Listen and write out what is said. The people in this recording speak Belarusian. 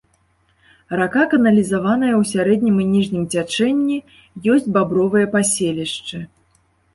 Рака каналізаваная ў сярэднім і ніжнім цячэнні, ёсць бабровыя паселішчы.